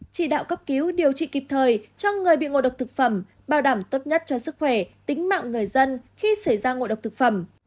chỉ đạo cấp cứu điều trị kịp thời cho người bị ngộ độc thực phẩm bảo đảm tốt nhất cho sức khỏe tính mạng người dân khi xảy ra ngộ độc thực phẩm